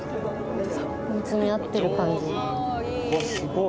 うわっすごい。